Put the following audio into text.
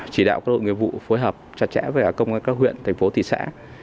chỉ đạo các đội nghiệp vụ phối hợp chặt chẽ với công an các huyện thành phố thị xã